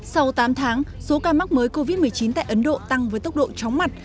sau tám tháng số ca mắc mới covid một mươi chín tại ấn độ tăng với tốc độ chóng mặt